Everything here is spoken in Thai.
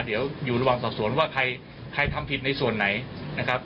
เดี๋ยวอยู่ระหว่างสอบสวนว่าใครทำผิดในส่วนไหนนะครับ